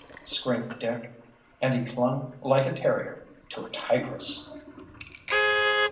screamed Dick. And he clung like a terrier to a tigress!